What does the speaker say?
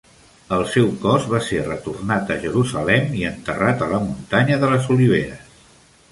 El seu cos va ser retornat a Jerusalem i enterrat a la muntanya de les oliveres.